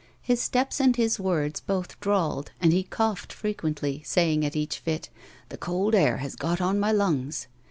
His steps and his words both drawled, and he coughed frequently, saying at each fit, " The cold air has got on my lungs."